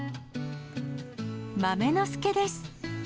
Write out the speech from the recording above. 豆の助です。